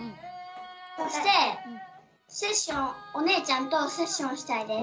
そしてセッションお姉ちゃんとセッションしたいです。